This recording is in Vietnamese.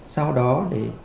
sau đó để